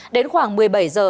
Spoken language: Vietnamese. đến khoảng một mươi bảy giờ